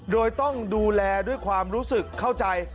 โดยต้องดูแลด้วยความรู้สึกเข้าใจ